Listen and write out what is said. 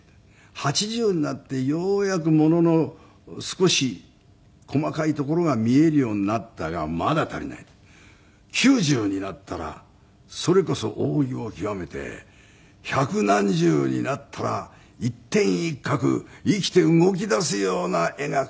「８０になってようやくものの少し細かいところが見えるようになったがまだ足りない」「９０になったらそれこそ奥義を窮めて百何十になったら一点一画生きて動き出すような絵が描いてみてえ」